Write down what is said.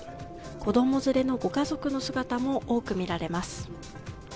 子供連れのご家族の姿も多く見られます。